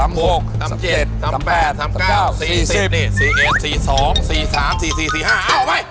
อ้าวออกไปจบ